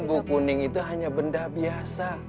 bumbu kuning itu hanya benda biasa